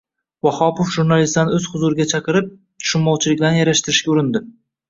Vahobov jurnalistlarni o'z huzuriga chaqirib, tushunmovchiliklarni yarashtirishga urindi